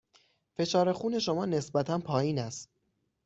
فشار خون شما نسبتاً پایین است.